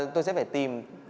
tôi sẽ phải tìm